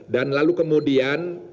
dan lalu kemudian